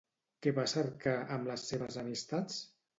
Què va cercar, amb les seves amistats?